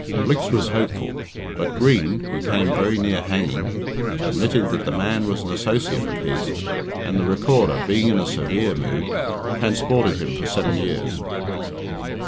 Blicks was hopeful, but Green who came very near hanging admitted that the man was an associate of his, and the Recorder, being in a severe mood, transported him for seven years.